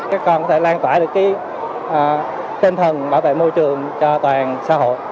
các con có thể lan tỏa được cái tên thần bảo vệ môi trường cho toàn xã hội